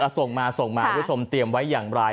เออนะส่งมาผู้ชมเตรียมไว้อย่างไร